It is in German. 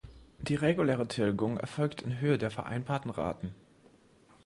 Die reguläre Tilgung erfolgt in Höhe der vereinbarten Raten.